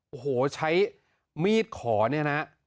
โอ้โหใช้มีดขอเนี่ยนะ